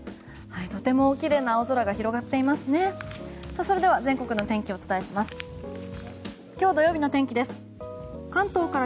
とてもきれいな青空が広がっていますね。